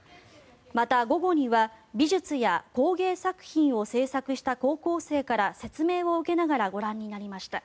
また、午後には美術や工芸作品を制作した高校生から説明を受けながらご覧になりました。